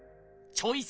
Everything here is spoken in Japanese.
チョイス！